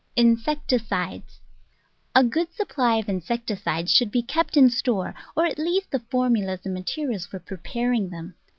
Insecticides A GOOD supply of insecticides should be kept in store, or at least the formulas and materials for preparing them.